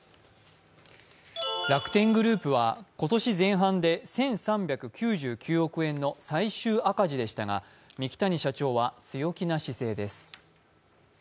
楽天グループは今年前半で１３９９億円の最終赤字でしたが三木谷社長は強気な姿勢です。